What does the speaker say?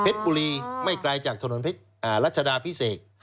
เพชรบุรีไม่กลายจากถนนรัชดาพิเศก